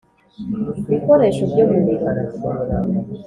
Bikoresho byo mu biro